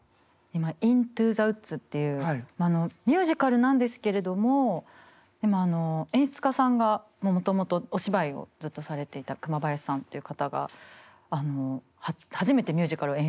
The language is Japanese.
今「イントゥ・ザ・ウッズ」っていうミュージカルなんですけれどもでも演出家さんがもともとお芝居をずっとされていた熊林さんっていう方が初めてミュージカルを演出するということで。